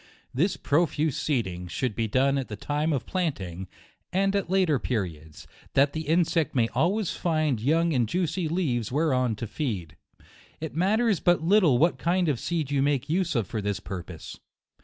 This profuse seeding should be done at the time of planting, and at later periods, that the insect may always find young and juicy leaves whereon to feed. It matters but lit tle what kind of seed you make use of for this purpose.